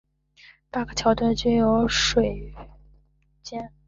八个桥墩均有分水尖。